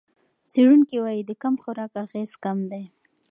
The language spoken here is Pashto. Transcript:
څېړونکي وايي د کم خوراک اغېز کم دی.